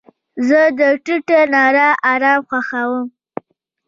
زه د ټیټه رڼا آرام خوښوم.